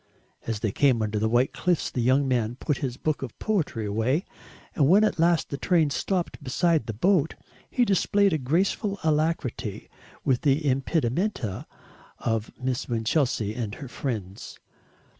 As they came under the white cliffs the young man put his book of poetry away, and when at last the train stopped beside the boat, he displayed a graceful alacrity with the impedimenta of Miss Winchelsea and her friends.